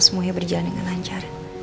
semuanya berjalan dengan lancar